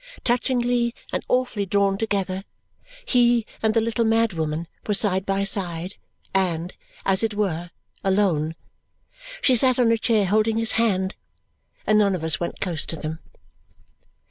Touchingly and awfully drawn together, he and the little mad woman were side by side and, as it were, alone. She sat on a chair holding his hand, and none of us went close to them.